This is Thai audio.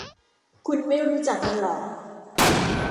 คุณไม่รู้จักมันหรอ